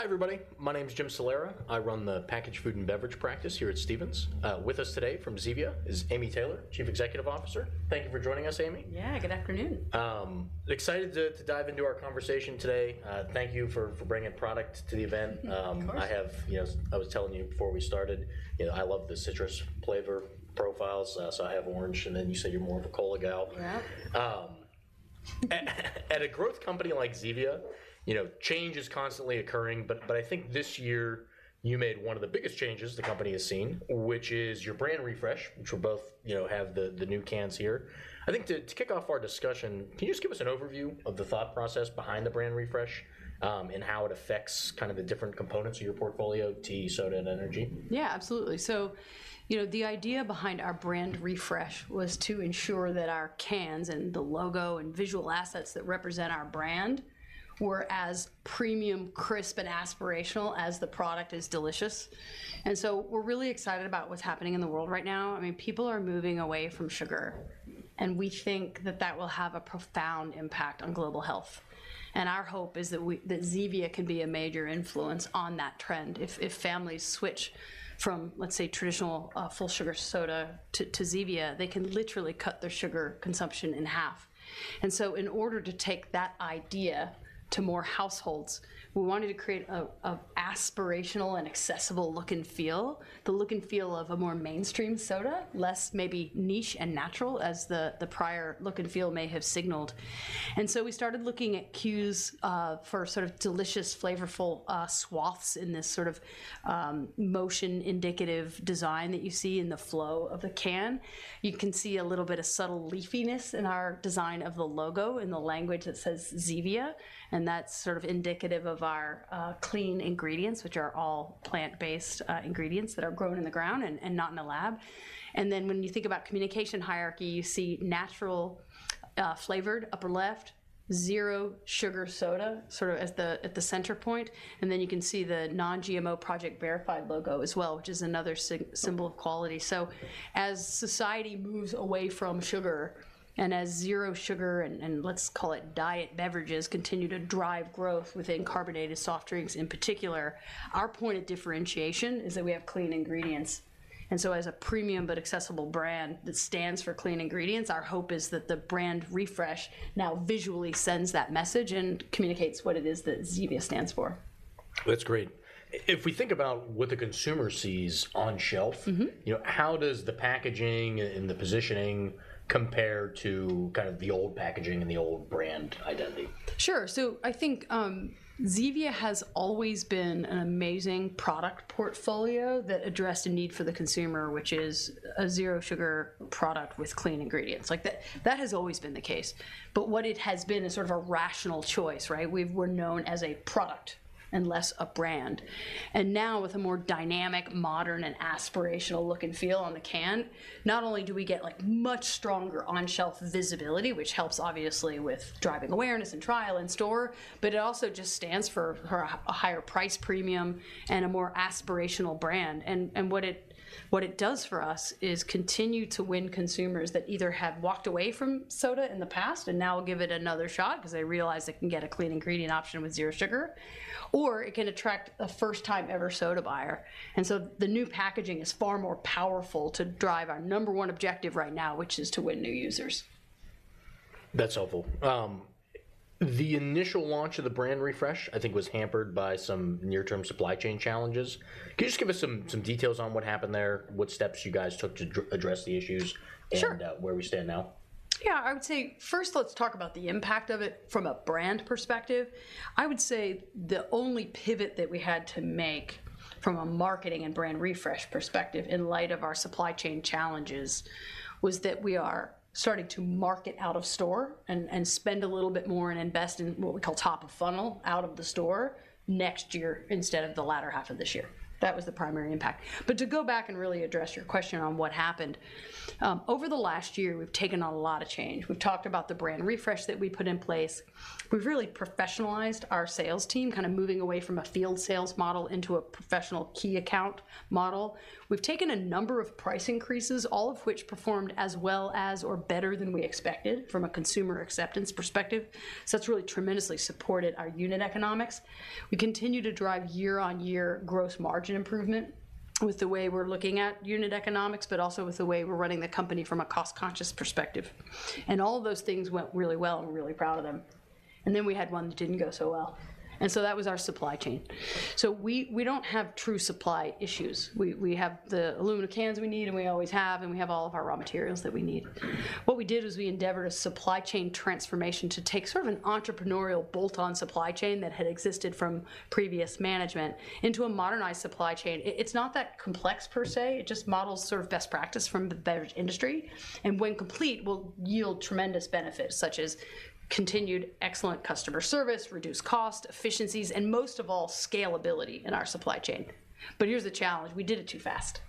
Hi, everybody. My name is Jim Salera. I run the packaged food and beverage practice here at Stephens. With us today from Zevia is Amy Taylor, Chief Executive Officer. Thank you for joining us, Amy. Yeah, good afternoon. Excited to dive into our conversation today. Thank you for bringing product to the event. Of course. I have, you know, I was telling you before we started, you know, I love the citrus flavor profiles, so I have Orange, and then you said you're more of a Cola girl. Yeah. At a growth company like Zevia, you know, change is constantly occurring, but, but I think this year you made one of the biggest changes the company has seen, which is your brand refresh, which we'll both, you know, have the new cans here. I think to kick off our discussion, can you just give us an overview of the thought process behind the brand refresh, and how it affects kind of the different components of your portfolio, tea, soda, and energy? Yeah, absolutely. So, you know, the idea behind our brand refresh was to ensure that our cans and the logo and visual assets that represent our brand were as premium, crisp, and aspirational as the product is delicious. And so we're really excited about what's happening in the world right now. I mean, people are moving away from sugar, and we think that that will have a profound impact on global health. And our hope is that we, that Zevia can be a major influence on that trend. If families switch from, let's say, traditional full-sugar soda to Zevia, they can literally cut their sugar consumption in half. In order to take that idea to more households, we wanted to create a aspirational and accessible look and feel, the look and feel of a more mainstream soda, less maybe niche and natural as the prior look and feel may have signaled. We started looking at cues for sort of delicious, flavorful swaths in this sort of motion-indicative design that you see in the flow of the can. You can see a little bit of subtle leafiness in our design of the logo, in the language that says Zevia, and that's sort of indicative of our clean ingredients, which are all plant-based ingredients that are grown in the ground and not in a lab. Then when you think about communication hierarchy, you see natural, flavored upper left, zero sugar soda, sort of at the center point, and then you can see the Non-GMO Project Verified logo as well, which is another symbol of quality. As society moves away from sugar, and as zero sugar and, and let's call it diet beverages, continue to drive growth within carbonated soft drinks in particular, our point of differentiation is that we have clean ingredients. As a premium but accessible brand that stands for clean ingredients, our hope is that the brand refresh now visually sends that message and communicates what it is that Zevia stands for. That's great. If we think about what the consumer sees on shelf- Mm-hmm. You know, how does the packaging and the positioning compare to kind of the old packaging and the old brand identity? Sure. So I think, Zevia has always been an amazing product portfolio that addressed a need for the consumer, which is a zero sugar product with clean ingredients. Like, that, that has always been the case. But what it has been is sort of a rational choice, right? We're known as a product and less a brand, and now with a more dynamic, modern, and aspirational look and feel on the can, not only do we get, like, much stronger on-shelf visibility, which helps obviously with driving awareness and trial in store, but it also just stands for a higher price premium and a more aspirational brand. And what it does for us is continue to win consumers that either had walked away from soda in the past and now will give it another shot because they realize they can get a clean ingredient option with zero sugar, or it can attract a first-time ever soda buyer. And so the new packaging is far more powerful to drive our number one objective right now, which is to win new users. That's helpful. The initial launch of the brand refresh, I think, was hampered by some near-term supply chain challenges. Can you just give us some details on what happened there, what steps you guys took to address the issues- Sure... and, where we stand now? Yeah, I would say, first, let's talk about the impact of it from a brand perspective. I would say the only pivot that we had to make from a marketing and brand refresh perspective, in light of our supply chain challenges, was that we are starting to market out of store and spend a little bit more and invest in what we call top of funnel out of the store next year instead of the latter half of this year. That was the primary impact. But to go back and really address your question on what happened over the last year, we've taken on a lot of change. We've talked about the brand refresh that we put in place. We've really professionalized our sales team, kind of moving away from a field sales model into a professional key account model. We've taken a number of price increases, all of which performed as well as or better than we expected from a consumer acceptance perspective. So that's really tremendously supported our unit economics. We continue to drive year-over-year gross margin improvement with the way we're looking at unit economics, but also with the way we're running the company from a cost-conscious perspective. All of those things went really well, and we're really proud of them. Then we had one that didn't go so well, and so that was our supply chain. So we, we don't have true supply issues. We, we have the aluminum cans we need, and we always have, and we have all of our raw materials that we need. What we did was we endeavored a supply chain transformation to take sort of an entrepreneurial bolt-on supply chain that had existed from previous management into a modernized supply chain. It, it's not that complex per se, it just models sort of best practice from the beverage industry, and when complete, will yield tremendous benefits, such as continued excellent customer service, reduced cost, efficiencies, and most of all, scalability in our supply chain. But here's the challenge: we did it too fast.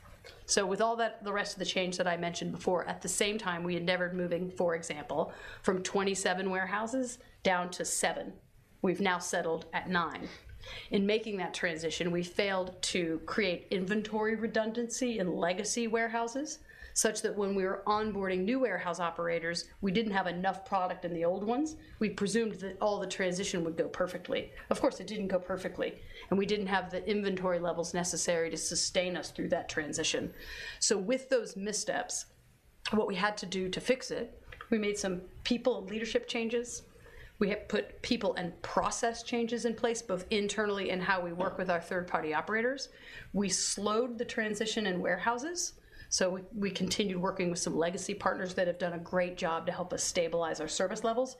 So with all that, the rest of the change that I mentioned before, at the same time, we endeavored moving, for example, from 27 warehouses down to 7.... we've now settled at 9. In making that transition, we failed to create inventory redundancy in legacy warehouses, such that when we were onboarding new warehouse operators, we didn't have enough product in the old ones. We presumed that all the transition would go perfectly. Of course, it didn't go perfectly, and we didn't have the inventory levels necessary to sustain us through that transition. So with those missteps, what we had to do to fix it, we made some people leadership changes. We have put people and process changes in place, both internally in how we work with our third-party operators. We slowed the transition in warehouses, so we continued working with some legacy partners that have done a great job to help us stabilize our service levels.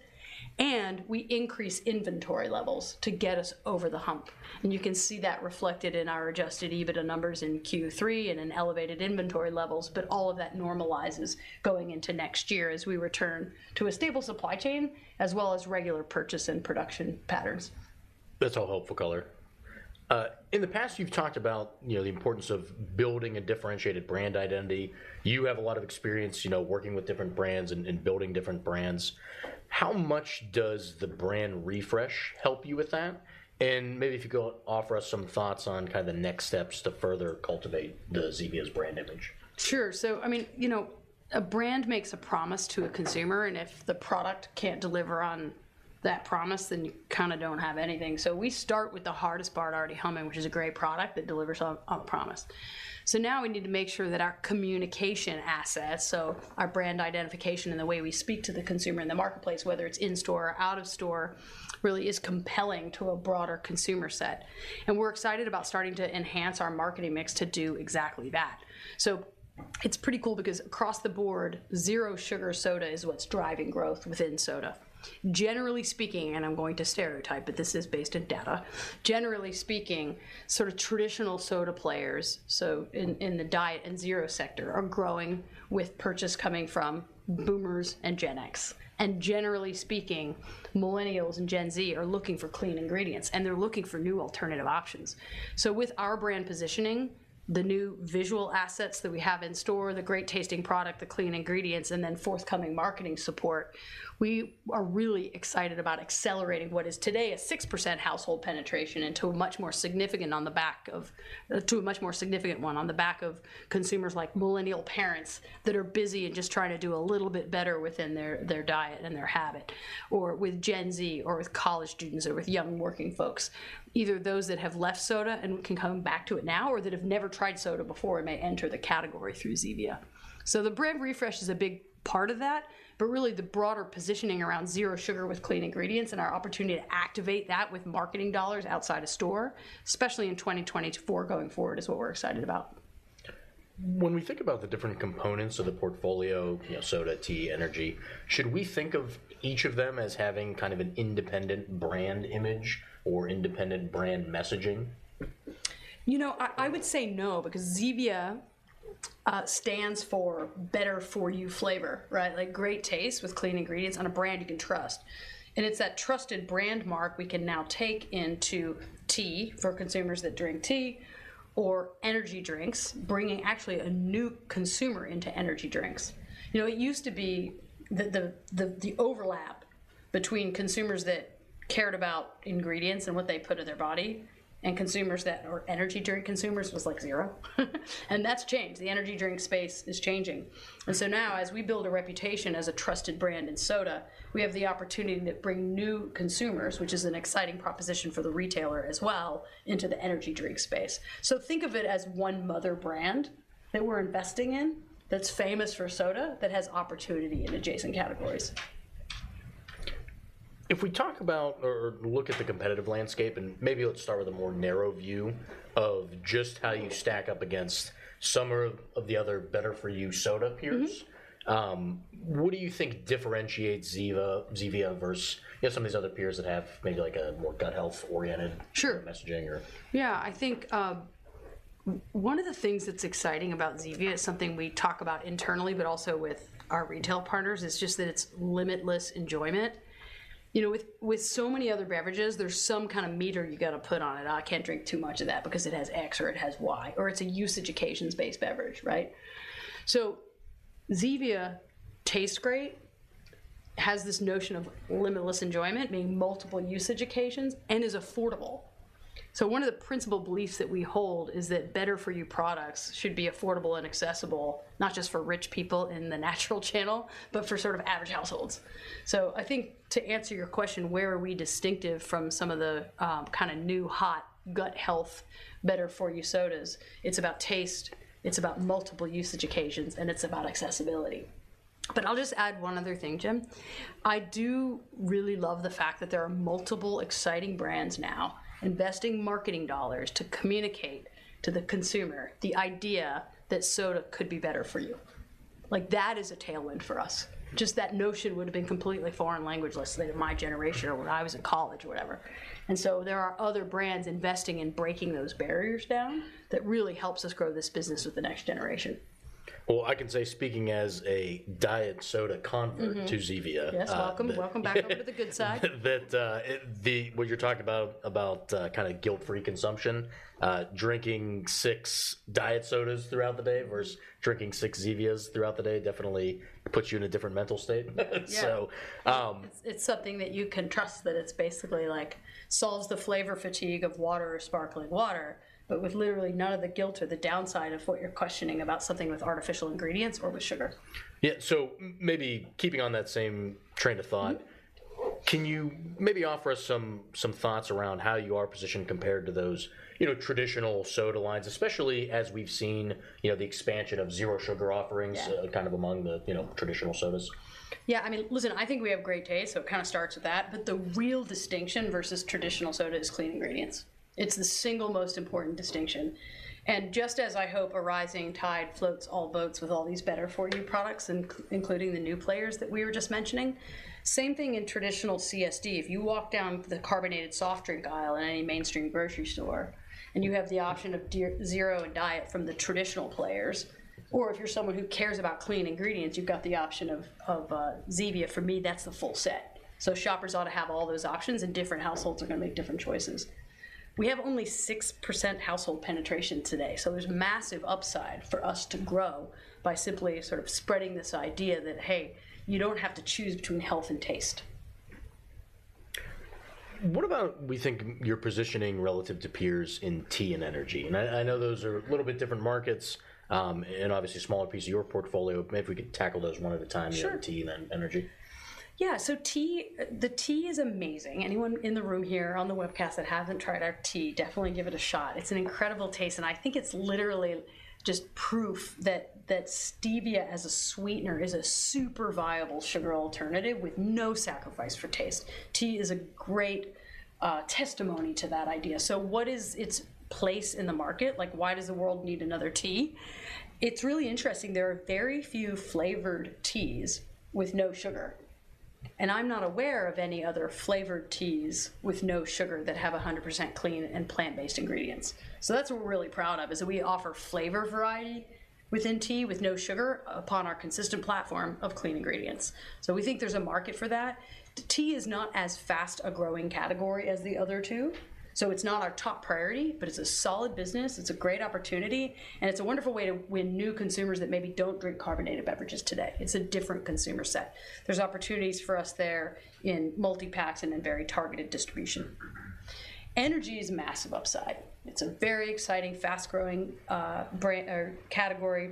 And we increased inventory levels to get us over the hump, and you can see that reflected in our Adjusted EBITDA numbers in Q3 and in elevated inventory levels. But all of that normalizes going into next year as we return to a stable supply chain, as well as regular purchase and production patterns. That's all helpful, color. In the past, you've talked about, you know, the importance of building a differentiated brand identity. You have a lot of experience, you know, working with different brands and building different brands. How much does the brand refresh help you with that? And maybe if you go... offer us some thoughts on kinda the next steps to further cultivate Zevia's brand image. Sure. So, I mean, you know, a brand makes a promise to a consumer, and if the product can't deliver on that promise, then you kinda don't have anything. So we start with the hardest part already humming, which is a great product that delivers on the promise. So now we need to make sure that our communication assets, so our brand identification and the way we speak to the consumer in the marketplace, whether it's in-store or out-of-store, really is compelling to a broader consumer set. And we're excited about starting to enhance our marketing mix to do exactly that. So it's pretty cool because across the board, zero sugar soda is what's driving growth within soda. Generally speaking, and I'm going to stereotype, but this is based on data. Generally speaking, sort of traditional soda players, so in the diet and zero sector, are growing with purchase coming from Boomers and Gen X. Generally speaking, Millennials and Gen Z are looking for clean ingredients, and they're looking for new alternative options. With our brand positioning, the new visual assets that we have in store, the great-tasting product, the clean ingredients, and then forthcoming marketing support, we are really excited about accelerating what is today a 6% household penetration into a much more significant one on the back of consumers like Millennial parents that are busy and just trying to do a little bit better within their diet and their habit, or with Gen Z, or with college students, or with young working folks. Either those that have left soda and we can come back to it now, or that have never tried soda before and may enter the category through Zevia. So the brand refresh is a big part of that, but really, the broader positioning around zero sugar with clean ingredients and our opportunity to activate that with marketing dollars outside of store, especially in 2024 going forward, is what we're excited about. When we think about the different components of the portfolio, you know, soda, tea, energy, should we think of each of them as having kind of an independent brand image or independent brand messaging? You know, I would say no, because Zevia stands for better-for-you flavor, right? Like, great taste with clean ingredients and a brand you can trust. And it's that trusted brand mark we can now take into tea for consumers that drink tea or energy drinks, bringing actually a new consumer into energy drinks. You know, it used to be the overlap between consumers that cared about ingredients and what they put in their body and consumers that are energy drink consumers was, like, zero. And that's changed. The energy drink space is changing. And so now, as we build a reputation as a trusted brand in soda, we have the opportunity to bring new consumers, which is an exciting proposition for the retailer as well, into the energy drink space. Think of it as one mother brand that we're investing in, that's famous for soda, that has opportunity in adjacent categories. If we talk about or look at the competitive landscape, and maybe let's start with a more narrow view of just how you stack up against some of the other better-for-you soda peers- Mm-hmm. What do you think differentiates Zevia versus, you know, some of these other peers that have maybe, like, a more gut health-oriented- Sure... messaging or? Yeah, I think, one of the things that's exciting about Zevia is something we talk about internally, but also with our retail partners. It's just that it's limitless enjoyment. You know, with, with so many other beverages, there's some kind of meter you gotta put on it. "Oh, I can't drink too much of that because it has X or it has Y," or it's a usage occasions-based beverage, right? So Zevia tastes great, has this notion of limitless enjoyment, meaning multiple usage occasions, and is affordable. So one of the principal beliefs that we hold is that better-for-you products should be affordable and accessible, not just for rich people in the natural channel, but for sort of average households. So I think to answer your question, where are we distinctive from some of the, kinda new, hot, gut health, better-for-you sodas? It's about taste, it's about multiple usage occasions, and it's about accessibility. But I'll just add one other thing, Jim. I do really love the fact that there are multiple exciting brands now investing marketing dollars to communicate to the consumer the idea that soda could be better-for-you. Like, that is a tailwind for us. Just that notion would've been completely foreign language less than in my generation or when I was in college or whatever. And so there are other brands investing in breaking those barriers down that really helps us grow this business with the next generation. ... Well, I can say, speaking as a diet soda convert- Mm-hmm... to Zevia - Yes, welcome. Welcome back over to the good side. What you're talking about, kind of guilt-free consumption, drinking six diet sodas throughout the day versus drinking six Zevias throughout the day definitely puts you in a different mental state. Yeah. So, um- It's something that you can trust, that it's basically like solves the flavor fatigue of water or sparkling water, but with literally none of the guilt or the downside of what you're questioning about something with artificial ingredients or with sugar. Yeah, so maybe keeping on that same train of thought. Mm-hmm... can you maybe offer us some thoughts around how you are positioned compared to those, you know, traditional soda lines, especially as we've seen, you know, the expansion of zero sugar offerings? Yeah... kind of among the, you know, traditional sodas? Yeah, I mean, listen, I think we have great taste, so it kind of starts with that. But the real distinction versus traditional soda is clean ingredients. It's the single most important distinction. And just as I hope a rising tide floats all boats with all these better-for-you products, including the new players that we were just mentioning, same thing in traditional CSD. If you walk down the carbonated soft drink aisle in any mainstream grocery store, and you have the option of zero and diet from the traditional players, or if you're someone who cares about clean ingredients, you've got the option of Zevia, for me, that's the full set. So shoppers ought to have all those options, and different households are gonna make different choices. We have only 6% household penetration today, so there's massive upside for us to grow by simply sort of spreading this idea that, hey, you don't have to choose between health and taste. What about we think you're positioning relative to peers in tea and energy? And I know those are a little bit different markets, and obviously a smaller piece of your portfolio. Maybe if we could tackle those one at a time- Sure... tea, then energy. Yeah. So tea, the tea is amazing. Anyone in the room here on the webcast that hasn't tried our tea, definitely give it a shot. It's an incredible taste, and I think it's literally just proof that stevia as a sweetener is a super viable sugar alternative with no sacrifice for taste. Tea is a great, testimony to that idea. So what is its place in the market? Like, why does the world need another tea? It's really interesting. There are very few flavored teas with no sugar, and I'm not aware of any other flavored teas with no sugar that have 100% clean and plant-based ingredients. So that's what we're really proud of, is that we offer flavor variety within tea with no sugar upon our consistent platform of clean ingredients. So we think there's a market for that. Tea is not as fast a growing category as the other two, so it's not our top priority, but it's a solid business, it's a great opportunity, and it's a wonderful way to win new consumers that maybe don't drink carbonated beverages today. It's a different consumer set. There's opportunities for us there in multipacks and in very targeted distribution. Energy is a massive upside. It's a very exciting, fast-growing category.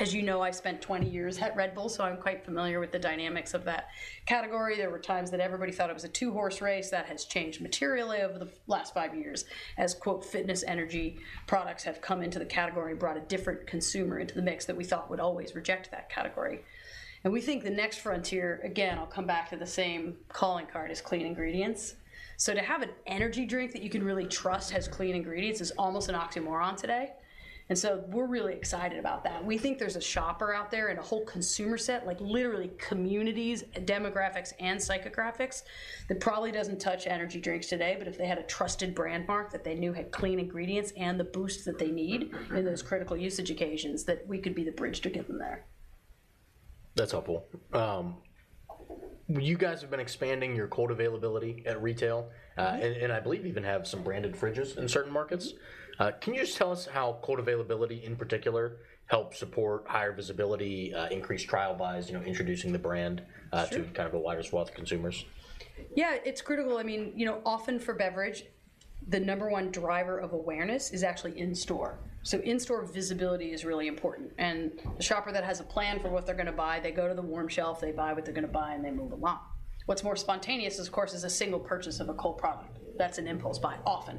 As you know, I spent 20 years at Red Bull, so I'm quite familiar with the dynamics of that category. There were times that everybody thought it was a two-horse race. That has changed materially over the last five years as, quote, "fitness, energy products" have come into the category and brought a different consumer into the mix that we thought would always reject that category. And we think the next frontier, again, I'll come back to the same calling card, is clean ingredients. So to have an energy drink that you can really trust has clean ingredients is almost an oxymoron today, and so we're really excited about that. We think there's a shopper out there and a whole consumer set, like literally communities, demographics, and psychographics, that probably doesn't touch energy drinks today, but if they had a trusted brand mark that they knew had clean ingredients and the boost that they need- Mm-hmm... in those critical usage occasions, that we could be the bridge to get them there. That's helpful. You guys have been expanding your cold availability at retail. Mm-hmm... and I believe you even have some branded fridges in certain markets. Mm-hmm. Can you just tell us how cold availability, in particular, helps support higher visibility, increased trial buys, you know, introducing the brand? Sure... to kind of a wider swath of consumers? Yeah, it's critical. I mean, you know, often for beverage, the number one driver of awareness is actually in-store. So in-store visibility is really important, and the shopper that has a plan for what they're gonna buy, they go to the warm shelf, they buy what they're gonna buy, and they move along. What's more spontaneous, of course, is a single purchase of a cold product. That's an impulse buy, often.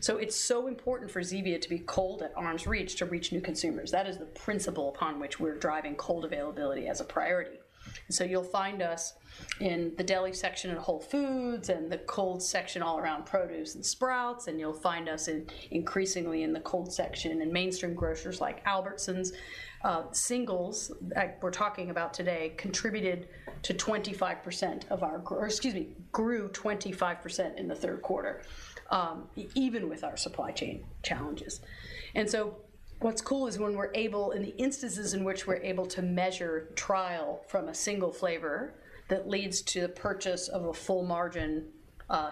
So it's so important for Zevia to be cold at arm's reach to reach new consumers. That is the principle upon which we're driving cold availability as a priority. So you'll find us in the deli section at Whole Foods, and the cold section all around produce in Sprouts, and you'll find us in, increasingly in the cold section in mainstream grocers like Albertsons. Singles, like we're talking about today, contributed to 25% of our... Or, excuse me, it grew 25% in the third quarter, even with our supply chain challenges. And so what's cool is when we're able, in the instances in which we're able to measure trial from a single flavor that leads to the purchase of a full margin,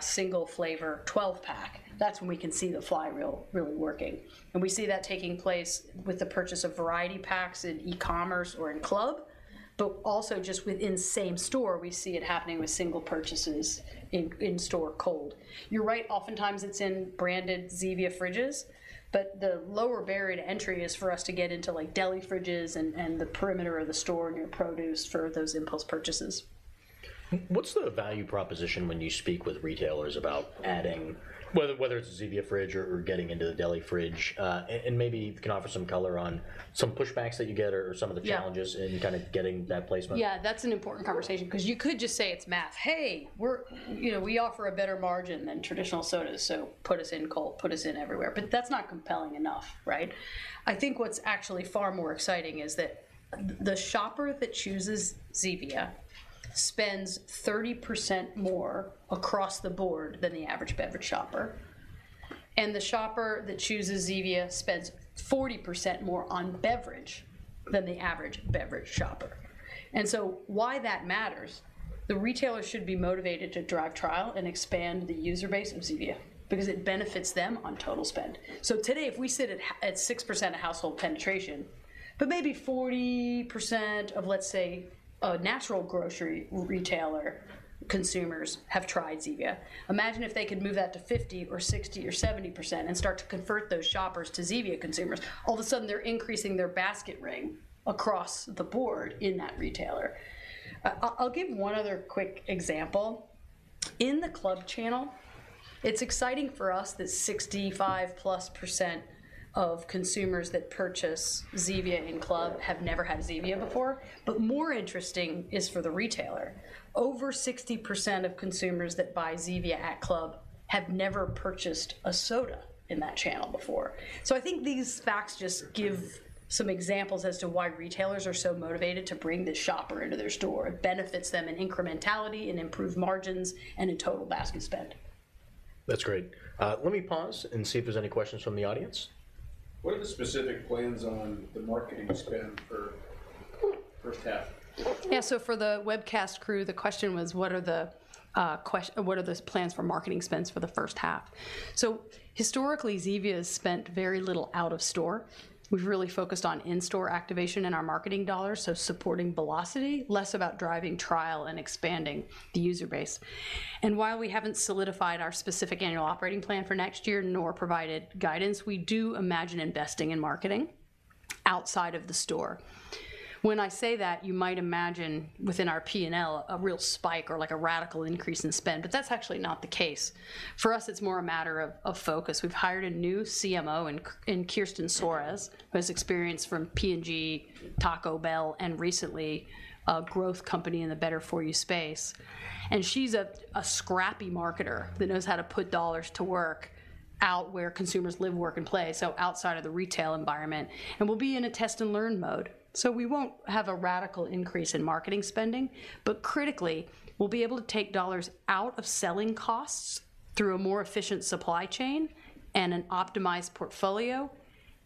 single flavor 12-pack, that's when we can see the flywheel really working. And we see that taking place with the purchase of variety packs in e-commerce or in club, but also just within same store, we see it happening with single purchases in, in store cold. You're right, oftentimes it's in branded Zevia fridges, but the lower barrier to entry is for us to get into, like, deli fridges and, and the perimeter of the store, near produce for those impulse purchases. What's the value proposition when you speak with retailers about adding, whether it's a Zevia fridge or getting into the deli fridge? And maybe you can offer some color on some pushbacks that you get or some of the challenges- Yeah... in kind of getting that placement. Yeah, that's an important conversation 'cause you could just say it's math: "Hey, we're... You know, we offer a better margin than traditional sodas, so put us in cold, put us in everywhere." But that's not compelling enough, right? I think what's actually far more exciting is that the shopper that chooses Zevia spends 30% more across the board than the average beverage shopper.... and the shopper that chooses Zevia spends 40% more on beverage than the average beverage shopper. And so why that matters, the retailer should be motivated to drive trial and expand the user base of Zevia, because it benefits them on total spend. So today, if we sit at at 6% of household penetration, but maybe 40% of, let's say, a natural grocery retailer consumers have tried Zevia. Imagine if they could move that to 50% or 60% or 70% and start to convert those shoppers to Zevia consumers. All of a sudden, they're increasing their basket ring across the board in that retailer. I'll give one other quick example. In the club channel, it's exciting for us that 65%+ of consumers that purchase Zevia in club have never had Zevia before, but more interesting is for the retailer. Over 60% of consumers that buy Zevia at club have never purchased a soda in that channel before. So I think these facts just give some examples as to why retailers are so motivated to bring this shopper into their store. It benefits them in incrementality, in improved margins, and in total basket spend. That's great. Let me pause and see if there's any questions from the audience. What are the specific plans on the marketing spend for first half? Yeah. So for the webcast crew, the question was: What are those plans for marketing spends for the first half? So historically, Zevia has spent very little out of store. We've really focused on in-store activation in our marketing dollars, so supporting velocity, less about driving trial and expanding the user base. And while we haven't solidified our specific annual operating plan for next year, nor provided guidance, we do imagine investing in marketing outside of the store. When I say that, you might imagine within our P&L, a real spike or like a radical increase in spend, but that's actually not the case. For us, it's more a matter of focus. We've hired a new CMO in Kirsten Suarez, who has experience from P&G, Taco Bell, and recently, a growth company in the better-for-you space. She's a scrappy marketer that knows how to put dollars to work out where consumers live, work, and play, so outside of the retail environment. We'll be in a test-and-learn mode, so we won't have a radical increase in marketing spending, but critically, we'll be able to take dollars out of selling costs through a more efficient supply chain and an optimized portfolio,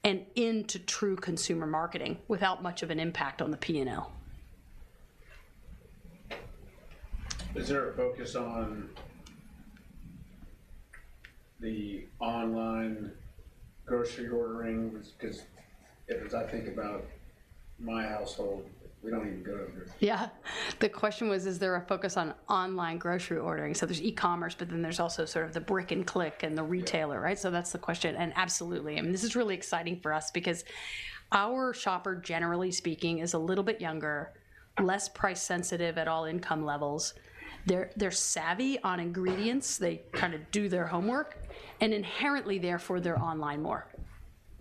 and into true consumer marketing without much of an impact on the P&L. Is there a focus on the online grocery ordering? 'Cause as I think about my household, we don't even go to the grocery- Yeah. The question was: Is there a focus on online grocery ordering? So there's e-commerce, but then there's also sort of the brick and click and the retailer, right? Yeah. So that's the question, and absolutely. I mean, this is really exciting for us because our shopper, generally speaking, is a little bit younger, less price sensitive at all income levels. They're savvy on ingredients. They kinda do their homework, and inherently therefore, they're online more,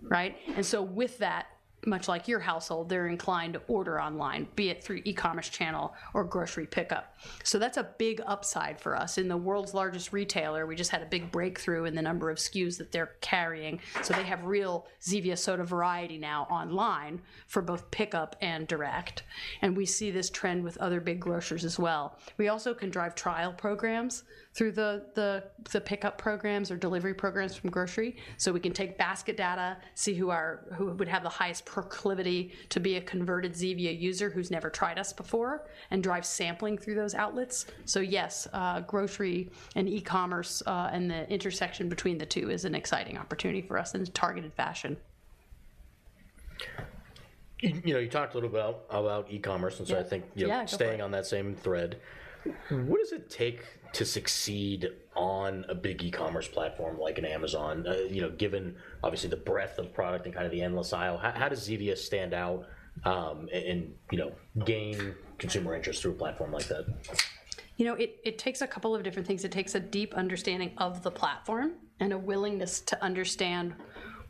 right? And so with that, much like your household, they're inclined to order online, be it through e-commerce channel or grocery pickup. So that's a big upside for us. In the world's largest retailer, we just had a big breakthrough in the number of SKUs that they're carrying, so they have real Zevia Soda variety now online for both pickup and direct, and we see this trend with other big grocers as well. We also can drive trial programs through the pickup programs or delivery programs from grocery. So we can take basket data, see who would have the highest proclivity to be a converted Zevia user who's never tried us before, and drive sampling through those outlets. So yes, grocery and e-commerce, and the intersection between the two is an exciting opportunity for us in a targeted fashion. You know, you talked a little about e-commerce... Yeah... and so I think- Yeah, go for it. Staying on that same thread, what does it take to succeed on a big e-commerce platform like Amazon? You know, given obviously the breadth of product and kind of the endless aisle, how does Zevia stand out, and, you know, gain consumer interest through a platform like that? You know, it takes a couple of different things. It takes a deep understanding of the platform and a willingness to understand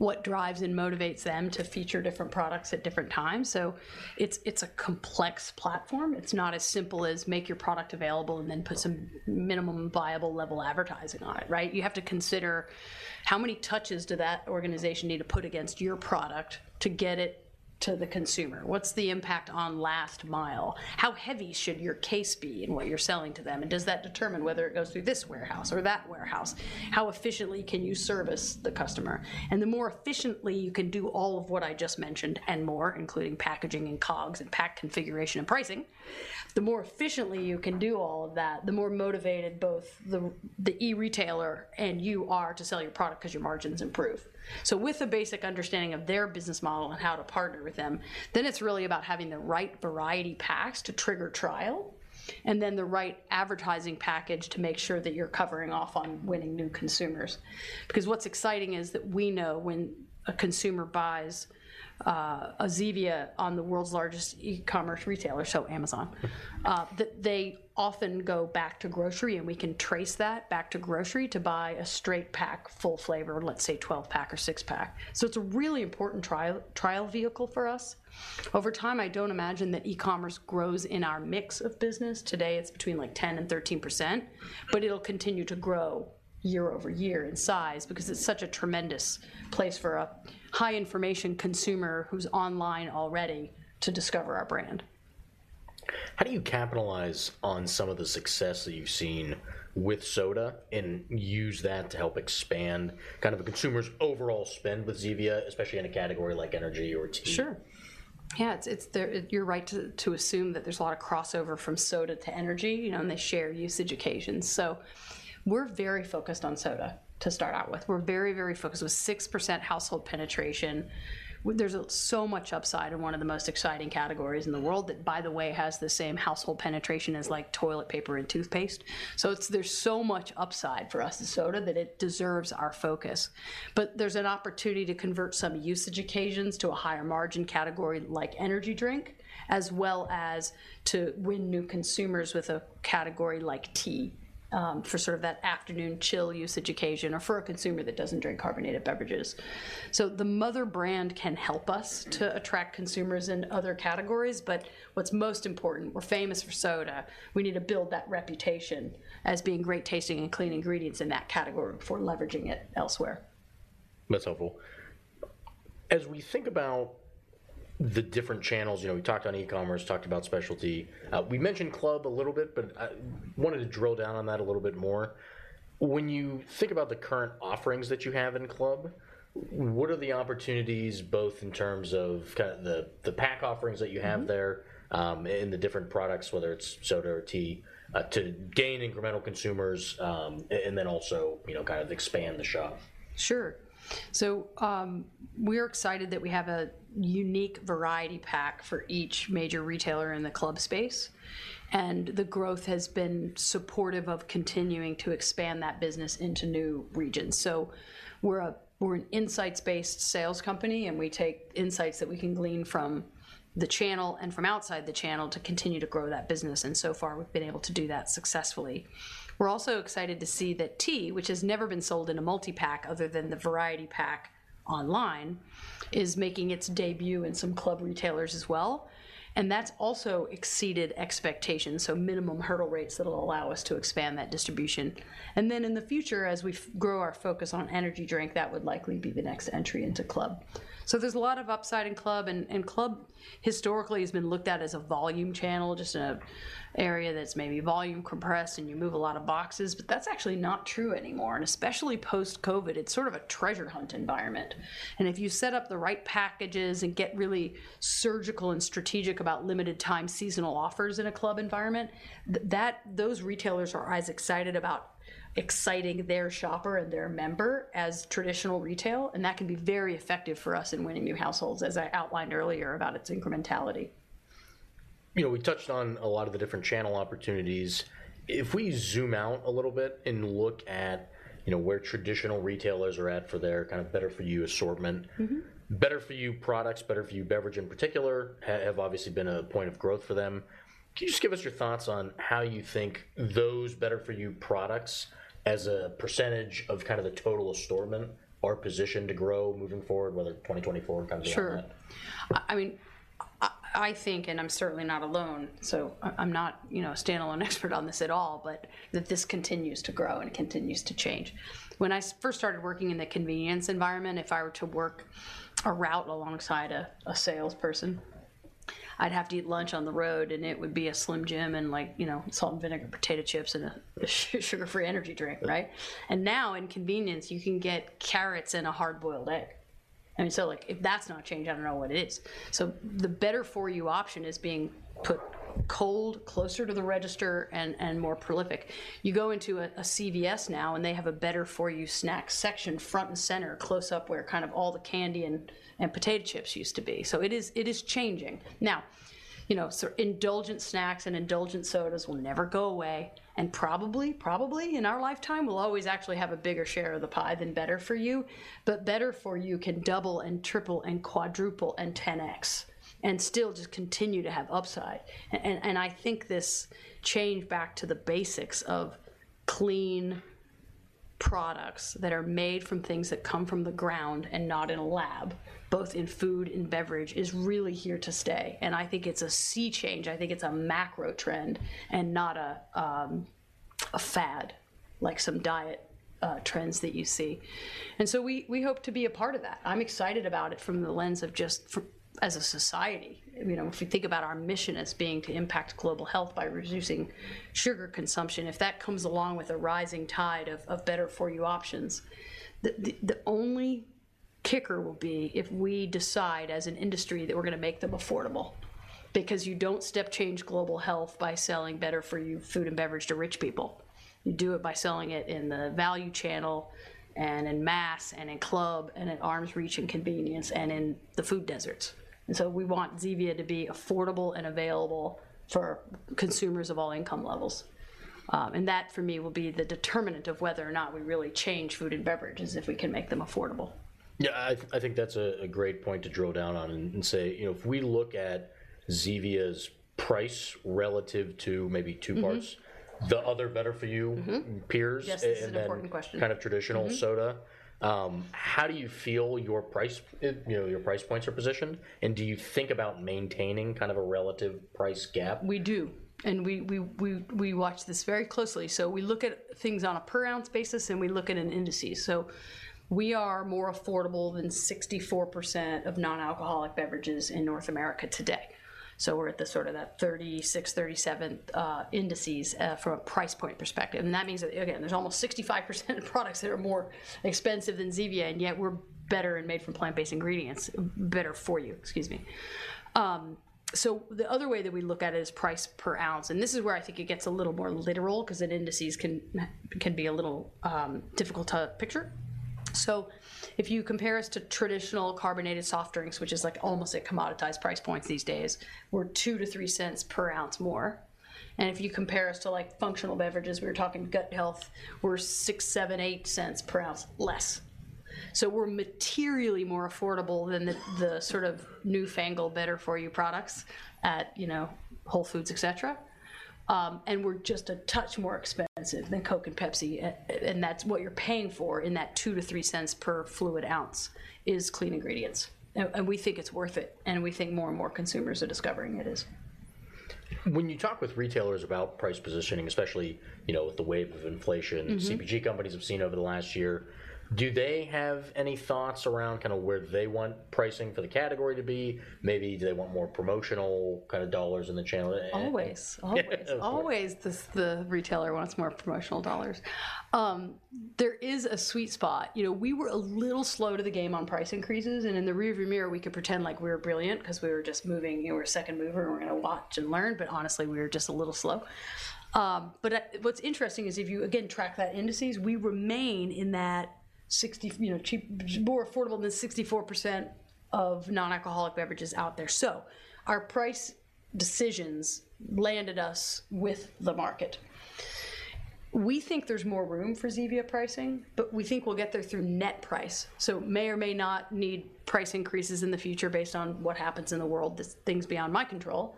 what drives and motivates them to feature different products at different times. So it's a complex platform. It's not as simple as make your product available and then put some minimum viable level advertising on it, right? You have to consider how many touches do that organization need to put against your product to get it to the consumer? What's the impact on last mile? How heavy should your case be in what you're selling to them, and does that determine whether it goes through this warehouse or that warehouse? How efficiently can you service the customer? And the more efficiently you can do all of what I just mentioned and more, including packaging and COGS and pack configuration and pricing, the more efficiently you can do all of that, the more motivated both the, the e-retailer and you are to sell your product because your margins improve. So with a basic understanding of their business model and how to partner with them, then it's really about having the right variety packs to trigger trial, and then the right advertising package to make sure that you're covering off on winning new consumers. Because what's exciting is that we know when a consumer buys a Zevia on the world's largest e-commerce retailer, so Amazon, they often go back to grocery, and we can trace that back to grocery to buy a straight pack, full flavor, let's say 12-pack or six-pack. So it's a really important trial, trial vehicle for us. Over time, I don't imagine that e-commerce grows in our mix of business. Today, it's between, like, 10% and 13%, but it'll continue to grow year-over-year in size because it's such a tremendous place for a high-information consumer who's online already to discover our brand.... How do you capitalize on some of the success that you've seen with soda and use that to help expand kind of a consumer's overall spend with Zevia, especially in a category like energy or tea? Sure. Yeah, it's you're right to assume that there's a lot of crossover from soda to energy, you know, and they share usage occasions. So we're very focused on soda to start out with. We're very, very focused. With 6% household penetration, there's so much upside and one of the most exciting categories in the world that, by the way, has the same household penetration as, like, toilet paper and toothpaste. So there's so much upside for us in soda that it deserves our focus. But there's an opportunity to convert some usage occasions to a higher margin category like energy drink, as well as to win new consumers with a category like tea, for sort of that afternoon chill usage occasion or for a consumer that doesn't drink carbonated beverages. The mother brand can help us to attract consumers in other categories, but what's most important, we're famous for soda. We need to build that reputation as being great tasting and clean ingredients in that category before leveraging it elsewhere. That's helpful. As we think about the different channels, you know, we talked on e-commerce, talked about specialty. We mentioned club a little bit, but wanted to drill down on that a little bit more. When you think about the current offerings that you have in club, what are the opportunities both in terms of kind of the pack offerings that you have there- Mm-hmm... and the different products, whether it's soda or tea, and then also, you know, kind of expand the shelf? Sure. So, we're excited that we have a unique variety pack for each major retailer in the club space, and the growth has been supportive of continuing to expand that business into new regions. So we're an insights-based sales company, and we take insights that we can glean from the channel and from outside the channel to continue to grow that business, and so far, we've been able to do that successfully. We're also excited to see that tea, which has never been sold in a multipack other than the variety pack online, is making its debut in some club retailers as well, and that's also exceeded expectations, so minimum hurdle rates that will allow us to expand that distribution. And then in the future, as we grow our focus on energy drink, that would likely be the next entry into club. So there's a lot of upside in club, and club historically has been looked at as a volume channel, just in an area that's maybe volume compressed, and you move a lot of boxes, but that's actually not true anymore. And especially post-COVID, it's sort of a treasure hunt environment. And if you set up the right packages and get really surgical and strategic about limited time seasonal offers in a club environment, that those retailers are as excited about exciting their shopper and their member as traditional retail, and that can be very effective for us in winning new households, as I outlined earlier about its incrementality. You know, we touched on a lot of the different channel opportunities. If we zoom out a little bit and look at, you know, where traditional retailers are at for their kind of better-for-you assortment- Mm-hmm... better-for-you products, better-for-you beverage in particular, have obviously been a point of growth for them. Can you just give us your thoughts on how you think those better-for-you products as a percentage of kind of the total assortment are positioned to grow moving forward, whether 2024 comes or not? Sure. I mean, I think, and I'm certainly not alone, so I'm not, you know, a standalone expert on this at all, but that this continues to grow and continues to change. When I first started working in the convenience environment, if I were to work a route alongside a salesperson, I'd have to eat lunch on the road, and it would be a Slim Jim and, like, you know, salt and vinegar potato chips, and a sugar-free energy drink, right? And now, in convenience, you can get carrots and a hard-boiled egg. I mean, so, like, if that's not change, I don't know what it is. So the better-for-you option is being put cold, closer to the register, and more prolific. You go into a CVS now, and they have a better-for-you snack section, front and center, close up, where kind of all the candy and potato chips used to be. So it is changing. Now, you know, so indulgent snacks and indulgent sodas will never go away, and probably in our lifetime, we'll always actually have a bigger share of the pie than better-for-you. But better-for-you can double and triple and quadruple and 10x and still just continue to have upside. And I think this change back to the basics of clean products that are made from things that come from the ground and not in a lab, both in food and beverage, is really here to stay. And I think it's a sea change. I think it's a macro trend and not a fad, like some diet trends that you see. And so we hope to be a part of that. I'm excited about it from the lens of just as a society. You know, if we think about our mission as being to impact global health by reducing sugar consumption, if that comes along with a rising tide of better-for-you options, the only kicker will be if we decide as an industry that we're gonna make them affordable because you don't step change global health by selling better-for-you food and beverage to rich people. You do it by selling it in the value channel and in mass and in club and at arm's reach in convenience and in the food deserts. So we want Zevia to be affordable and available for consumers of all income levels. And that, for me, will be the determinant of whether or not we really change food and beverages if we can make them affordable. Yeah, I think that's a great point to drill down on and say, you know, if we look at Zevia's price relative to maybe two parts- Mm-hmm... the other better-for-you- Mm-hmm -peers- Yes, this is an important question.... and then kind of traditional soda- Mm-hmm... how do you feel your price, you know, your price points are positioned? And do you think about maintaining kind of a relative price gap? We do and we watch this very closely. So we look at things on a per-ounce basis, and we look at an index. So we are more affordable than 64% of non-alcoholic beverages in North America today. So we're at the sort of that 36-37 index from a price point perspective. And that means that, again, there's almost 65% of products that are more expensive than Zevia, and yet we're better and made from plant-based ingredients, better-for-you. Excuse me. So the other way that we look at it is price per ounce, and this is where I think it gets a little more literal 'cause an index can be a little difficult to picture. So if you compare us to traditional carbonated soft drinks, which is like almost at commoditized price points these days, we're $0.02-0.03 per ounce more, and if you compare us to, like, functional beverages, we were talking gut health, we're $0.06, $0.07, $0.08 per ounce less. So we're materially more affordable than the, the sort of newfangled, better-for-youu products at, you know, Whole Foods, et cetera. And we're just a touch more expensive than Coke and Pepsi, and that's what you're paying for in that $0.02-$0.03 per fluid ounce, is clean ingredients. And we think it's worth it, and we think more and more consumers are discovering it is. When you talk with retailers about price positioning, especially, you know, with the wave of inflation- Mm-hmm... CPG companies have seen over the last year, do they have any thoughts around kinda where they want pricing for the category to be? Maybe do they want more promotional kind of dollars in the channel? A- Always. Yeah. Always. Always, the retailer wants more promotional dollars. There is a sweet spot. You know, we were a little slow to the game on price increases, and in the rearview mirror, we could pretend like we were brilliant 'cause we were just moving. We're a second mover, and we're gonna watch and learn, but honestly, we were just a little slow. But, what's interesting is, if you, again, track that indices, we remain in that sixty... You know, cheap, more affordable than 64% of non-alcoholic beverages out there. So our price decisions landed us with the market. We think there's more room for Zevia pricing, but we think we'll get there through net price. So may or may not need price increases in the future based on what happens in the world, these things beyond my control.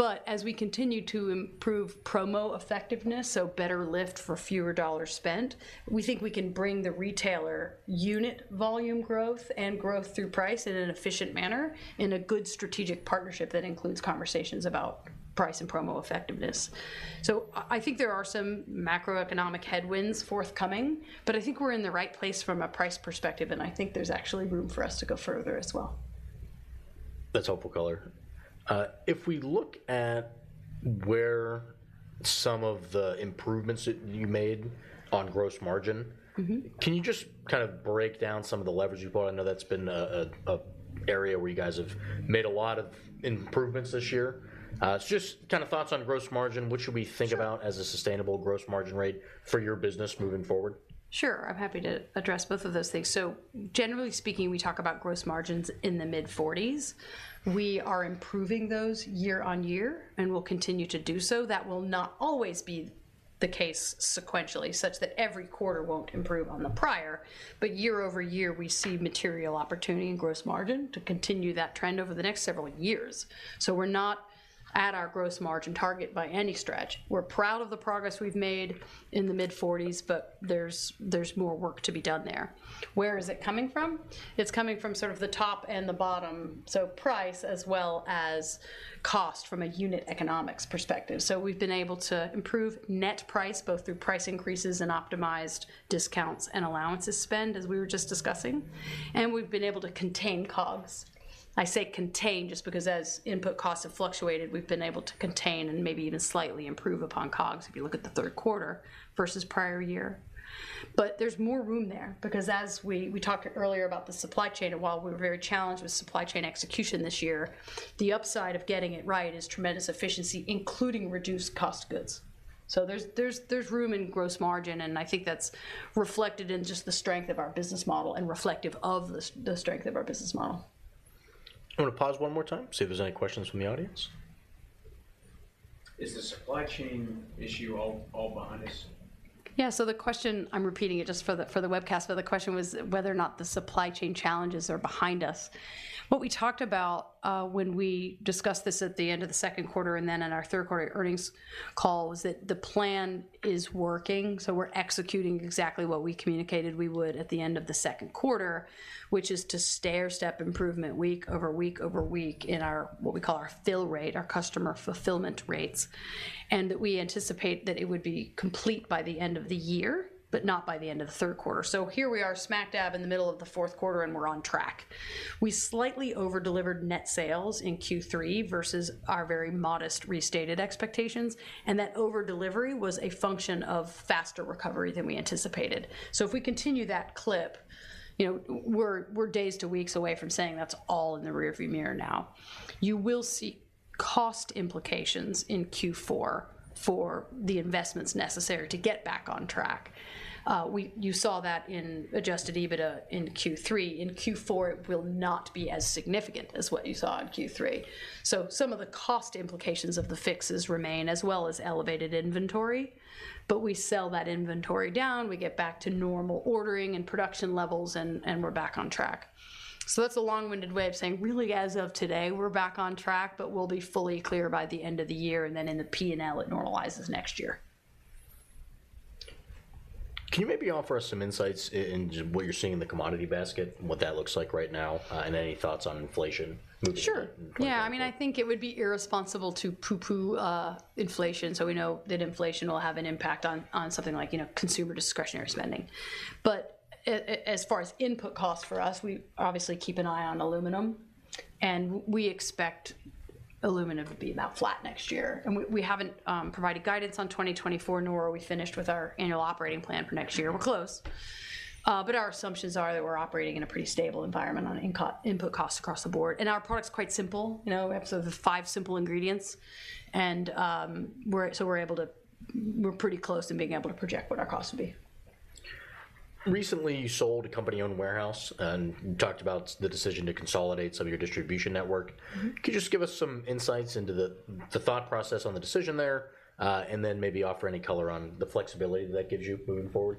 But as we continue to improve promo effectiveness, so better lift for fewer dollars spent, we think we can bring the retailer unit volume growth and growth through price in an efficient manner, in a good strategic partnership that includes conversations about price and promo effectiveness. So I think there are some macroeconomic headwinds forthcoming, but I think we're in the right place from a price perspective, and I think there's actually room for us to go further as well. That's helpful color. If we look at where some of the improvements that you made on gross margin- Mm-hmm. Can you just kind of break down some of the levers you bought? I know that's been an area where you guys have made a lot of improvements this year. So just kind of thoughts on gross margin. What should we think about- Sure... as a sustainable gross margin rate for your business moving forward? Sure, I'm happy to address both of those things. So generally speaking, we talk about gross margins in the mid-40s%. We are improving those year-over-year, and we'll continue to do so. That will not always be the case sequentially, such that every quarter won't improve on the prior. But year-over-year, we see material opportunity in gross margin to continue that trend over the next several years. So we're not at our gross margin target by any stretch. We're proud of the progress we've made in the mid-40s%, but there's more work to be done there. Where is it coming from? It's coming from sort of the top and the bottom, so price as well as cost from a unit economics perspective. So we've been able to improve net price, both through price increases and optimized discounts and allowances spend, as we were just discussing, and we've been able to contain COGS. I say contain, just because as input costs have fluctuated, we've been able to contain and maybe even slightly improve upon COGS if you look at the third quarter versus prior year. But there's more room there, because as we talked earlier about the supply chain, and while we're very challenged with supply chain execution this year, the upside of getting it right is tremendous efficiency, including reduced cost goods. So there's room in gross margin, and I think that's reflected in just the strength of our business model and reflective of the strength of our business model. I'm gonna pause one more time, see if there's any questions from the audience. Is the supply chain issue all behind us? Yeah, so the question... I'm repeating it just for the webcast, but the question was whether or not the supply chain challenges are behind us. What we talked about, when we discussed this at the end of the second quarter and then in our third quarter earnings call, was that the plan is working, so we're executing exactly what we communicated we would at the end of the second quarter, which is to stairstep improvement week over week over week in our, what we call our fill rate, our customer fulfillment rates. And that we anticipate that it would be complete by the end of the year, but not by the end of the third quarter. So here we are, smack dab in the middle of the fourth quarter, and we're on track. We slightly over-delivered net sales in Q3 versus our very modest restated expectations, and that over-delivery was a function of faster recovery than we anticipated. So if we continue that clip, you know, we're days to weeks away from saying that's all in the rearview mirror now. You will see cost implications in Q4 for the investments necessary to get back on track. You saw that in Adjusted EBITDA in Q3. In Q4, it will not be as significant as what you saw in Q3. So some of the cost implications of the fixes remain, as well as elevated inventory, but we sell that inventory down, we get back to normal ordering and production levels, and we're back on track. That's a long-winded way of saying, really, as of today, we're back on track, but we'll be fully clear by the end of the year, and then in the P&L, it normalizes next year. Can you maybe offer us some insights into what you're seeing in the commodity basket, and what that looks like right now, and any thoughts on inflation moving- Sure... forward? Yeah, I mean, I think it would be irresponsible to pooh-pooh inflation, so we know that inflation will have an impact on something like, you know, consumer discretionary spending. But as far as input costs for us, we obviously keep an eye on aluminum, and we expect aluminum to be about flat next year. And we haven't provided guidance on 2024, nor are we finished with our annual operating plan for next year. We're close, but our assumptions are that we're operating in a pretty stable environment on input costs across the board. And our product's quite simple. You know, we have sort of the five simple ingredients, and so we're pretty close to being able to project what our costs will be. ... Recently, you sold a company-owned warehouse and talked about the decision to consolidate some of your distribution network. Mm-hmm. Could you just give us some insights into the thought process on the decision there, and then maybe offer any color on the flexibility that gives you moving forward?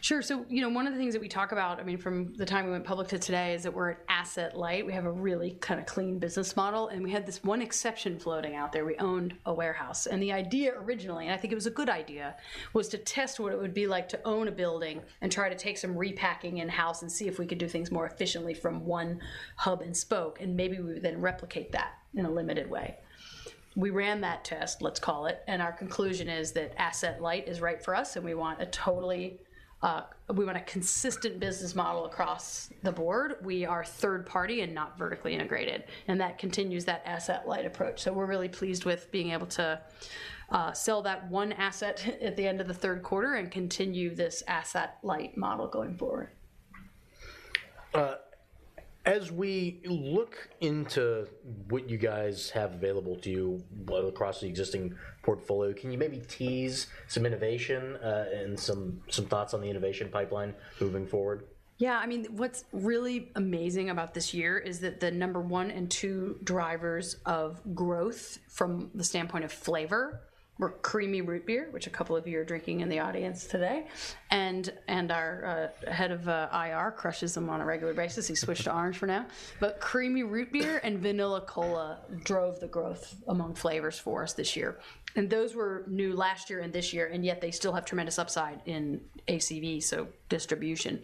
Sure. So, you know, one of the things that we talk about, I mean, from the time we went public to today, is that we're an asset-light. We have a really kinda clean business model, and we had this one exception floating out there: we owned a warehouse. And the idea originally, and I think it was a good idea, was to test what it would be like to own a building and try to take some repacking in-house and see if we could do things more efficiently from one hub and spoke, and maybe we would then replicate that in a limited way. We ran that test, let's call it, and our conclusion is that asset-light is right for us, and we want a totally... We want a consistent business model across the board. We are third party and not vertically integrated, and that continues that asset-light approach. So we're really pleased with being able to sell that one asset at the end of the third quarter and continue this asset-light model going forward. As we look into what you guys have available to you across the existing portfolio, can you maybe tease some innovation, and some thoughts on the innovation pipeline moving forward? Yeah. I mean, what's really amazing about this year is that the number one and two drivers of growth from the standpoint of flavor, were Creamy Root Beer, which a couple of you are drinking in the audience today, and, and our head of IR, crushes them on a regular basis. He switched to Orange for now. But Creamy Root Beer and Vanilla Cola drove the growth among flavors for us this year. And those were new last year and this year, and yet they still have tremendous upside in ACV, so distribution.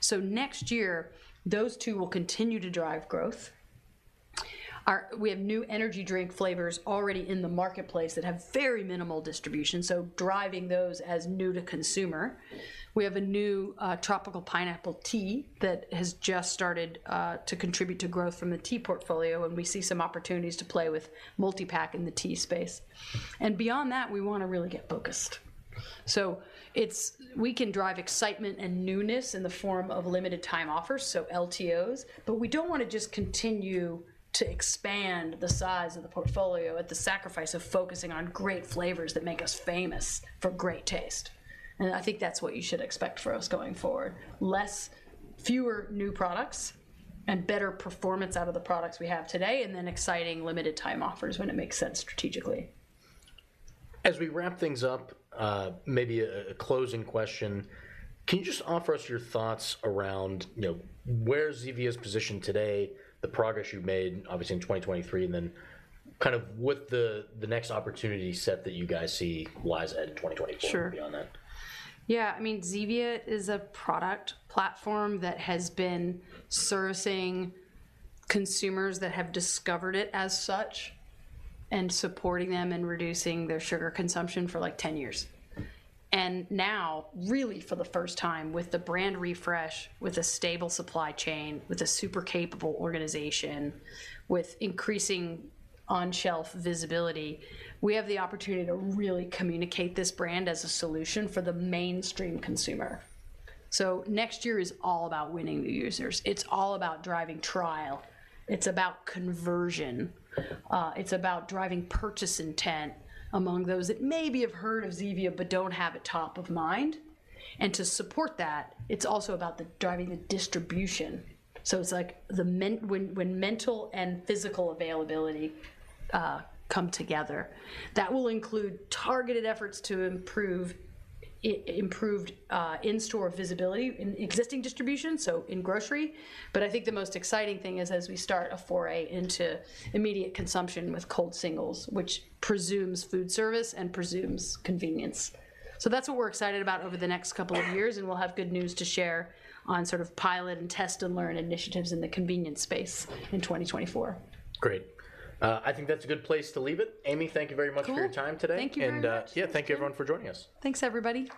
So next year, those two will continue to drive growth. We have new energy drink flavors already in the marketplace that have very minimal distribution, so driving those as new to consumer. We have a new Tropical Pineapple Tea that has just started to contribute to growth from the tea portfolio, and we see some opportunities to play with multipack in the tea space. And beyond that, we wanna really get focused. So we can drive excitement and newness in the form of limited time offers, so LTOs, but we don't wanna just continue to expand the size of the portfolio at the sacrifice of focusing on great flavors that make us famous for great taste. And I think that's what you should expect from us going forward. Less... Fewer new products and better performance out of the products we have today, and then exciting, limited time offers when it makes sense strategically. As we wrap things up, maybe a closing question: Can you just offer us your thoughts around, you know, where Zevia's positioned today, the progress you've made, obviously, in 2023, and then kind of what the next opportunity set that you guys see lies ahead in 2024. Sure And beyond that? Yeah. I mean, Zevia is a product platform that has been servicing consumers that have discovered it as such, and supporting them in reducing their sugar consumption for, like, ten years. And now, really, for the first time, with the brand refresh, with a stable supply chain, with a super capable organization, with increasing on-shelf visibility, we have the opportunity to really communicate this brand as a solution for the mainstream consumer. So next year is all about winning new users. It's all about driving trial. It's about conversion. It's about driving purchase intent among those that maybe have heard of Zevia but don't have it top of mind. And to support that, it's also about driving the distribution. So it's like when mental and physical availability come together. That will include targeted efforts to improve improved in-store visibility in existing distribution, so in grocery. But I think the most exciting thing is as we start a foray into immediate consumption with cold singles, which presumes foodservice and presumes convenience. So that's what we're excited about over the next couple of years, and we'll have good news to share on sort of pilot, and test, and learn initiatives in the convenience space in 2024. Great. I think that's a good place to leave it. Amy, thank you very much- Cool... for your time today. Thank you very much. Yeah, thank you, everyone, for joining us. Thanks, everybody.